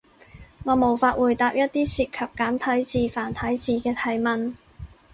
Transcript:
我無法回答一啲涉及簡體字、繁體字嘅提問